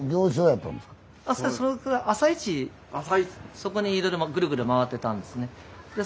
そこにいろいろぐるぐる回ってたんですね。